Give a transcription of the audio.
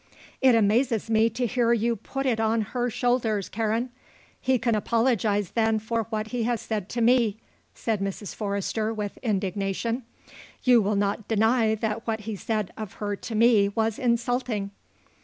"It amazes me to hear you put it on her shoulders, Karen. He can apologise, then, for what he has said to me," said Mrs. Forrester with indignation. "You will not deny that what he said of her to me was insulting."